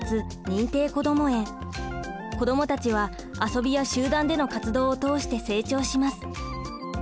子どもたちは遊びや集団での活動を通して成長します。